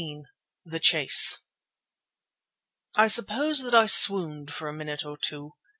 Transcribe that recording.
THE CHASE I suppose that I swooned for a minute or two.